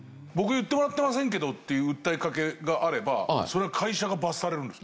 「僕言ってもらってませんけど」っていう訴えかけがあればそれは会社が罰せられる？